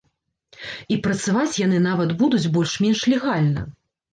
І працаваць яны нават будуць больш-менш легальна.